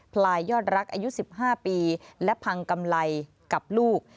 พลายยอดรักอายุ๑๕ปีและพังกำไรกับลูก